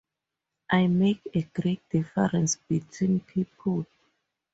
I make a great difference between people.